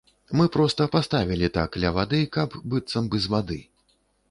Мы проста паставілі так ля вады, каб быццам бы з вады!